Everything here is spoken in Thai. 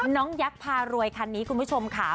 ยักษ์พารวยคันนี้คุณผู้ชมค่ะ